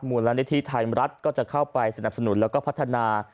หมู่ร้านได้ที่ไทยรัฐก็จะเข้าไปสนับสนุนแล้วก็พัฒนา